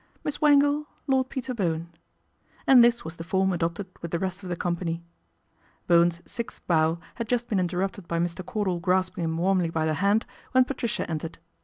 Miss Wangle, Lord Peter Bowen,' and this was f he form adopted with the rest of the company Bowen s sixth DOW had just been interrupted by Mr Cordal grasping him warmly by the hand, when Patricia entered.